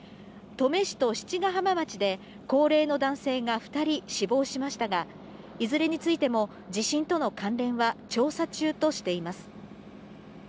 登米市と七ヶ浜町で、高齢の男性が２人死亡しましたが、いずれについても、地震との関連は調査中としています。